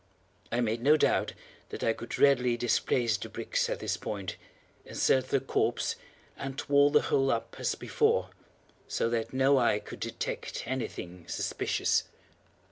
I made no doubt that I could readily displace the bricks at this point, insert the corpse, and wall the whole up as before, so that no eye could detect any thing suspicious.